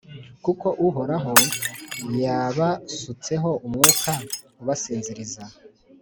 kuko Uhoraho yabasutseho umwuka ubasinziriza,